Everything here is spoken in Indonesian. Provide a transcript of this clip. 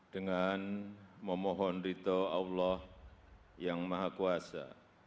dengan memohon rito allah yang maha kuasa